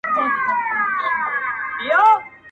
ټوله پنجاب به کړې لمبه که خیبر اور واخیست,